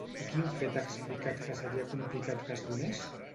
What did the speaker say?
I quin fet ha explicat que seria complicat que es donés?